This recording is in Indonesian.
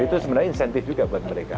itu sebenarnya insentif juga buat mereka